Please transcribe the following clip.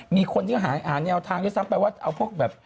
มีคนที่หาแนวทางด้วยซ้ำไปว่าเอาพวกแบบ